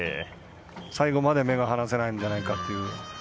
最後まで目が離せないんじゃないかなと。